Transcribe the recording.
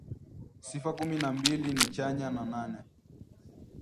Sifa kumi na mbili ni chanya na nane